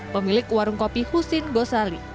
pemilik warung kopi husin gosali